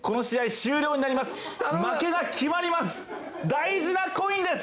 大事なコインです！